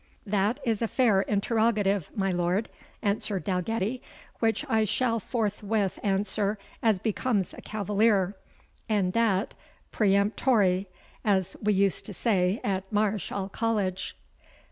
"That is a fair interrogative, my lord," answered Dalgetty, "which I shall forthwith answer as becomes a cavalier, and that PEREMPTORIE, as we used to say at Mareschal College."